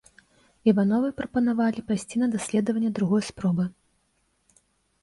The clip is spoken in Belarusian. Івановай прапанавалі пайсці на даследванне другой спробы.